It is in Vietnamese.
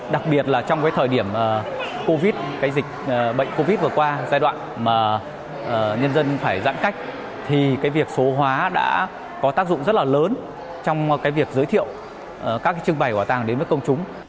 đặc biệt là trong thời điểm covid dịch bệnh covid vừa qua giai đoạn mà nhân dân phải giãn cách thì việc số hóa đã có tác dụng rất là lớn trong việc giới thiệu các trưng bày của bảo tàng đến với công chúng